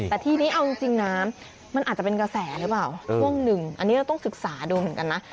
แต่ทีนี้เอาจริงน้ำมันอาจจะเป็นกระแสหรือเปล่าช่วงหนึ่งอันนี้เราต้องศึกษาดูเหมือนกันนะ